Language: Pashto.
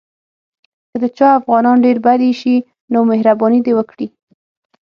که د چا افغانان ډېر بد ایسي نو مهرباني دې وکړي.